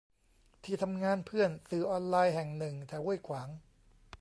ที่ทำงานเพื่อน สื่อออนไลน์แห่งหนึ่ง แถวห้วยขวาง